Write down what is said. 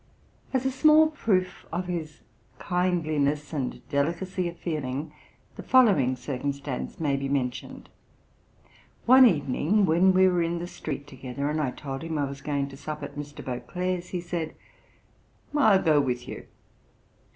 As a small proof of his kindliness and delicacy of feeling, the following circumstance may be mentioned: One evening when we were in the street together, and I told him I was going to sup at Mr. Beauclerk's, he said, 'I'll go with you.'